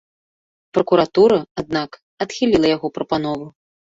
Пракуратура, аднак, адхіліла яго прапанову.